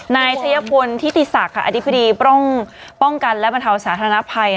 นายชัยพลทิติศักดิ์อธิบดีป้องกันและบรรเทาสาธารณภัย